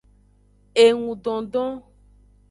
Engudondon.